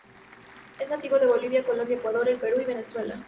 Es nativo de Bolivia, Colombia, Ecuador, El Perú, y Venezuela.